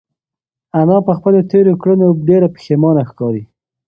انا په خپلو تېرو کړنو باندې ډېره پښېمانه ښکاري.